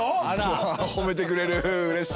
うわほめてくれるうれしい！